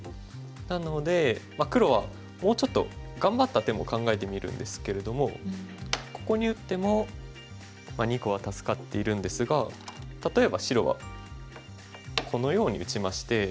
なので黒はもうちょっと頑張った手も考えてみるんですけれどもここに打っても２個は助かっているんですが例えば白はこのように打ちまして。